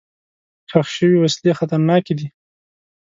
ښخ شوي وسلې خطرناکې دي.